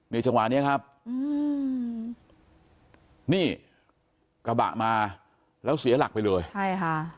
จังหวะเนี้ยครับอืมนี่กระบะมาแล้วเสียหลักไปเลยใช่ค่ะ